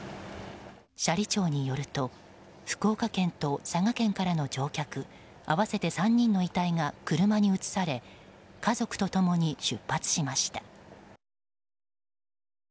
斜里町によると福岡県と佐賀県からの乗客合わせて３人の遺体が車に移され家族と共に出発しました。